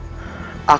aku tidak tahu